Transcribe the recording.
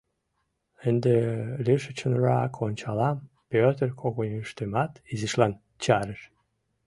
Ынде лишычынрак ончалам, — Пӧтыр когыньыштымат изишлан чарыш.